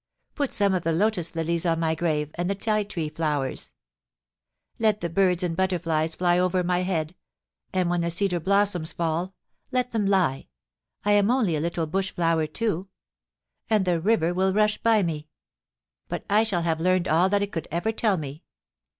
... Put some of the lotus lilies on my grave, and the ti tree flowers. Let the birds and butterflies fly over my head, and when the cedar blossoms fall, let them lie— I am only a little bush flower too. ... And tiie river will rush by me ; but I shall have learned all that it could ever tell me.